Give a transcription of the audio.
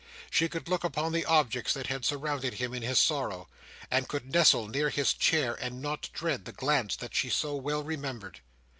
She could look upon the objects that had surrounded him in his sorrow, and could nestle near his chair, and not dread the glance that she so well remembered.